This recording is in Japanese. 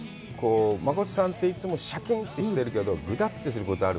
真琴さんって、いつもシャキン！ってしてるけど、ぐだっとしてることある？